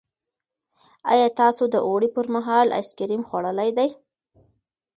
ایا تاسو د اوړي پر مهال آیس کریم خوړلي دي؟